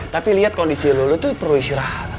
tapi liat kondisi lu lu tuh perlu isyrakat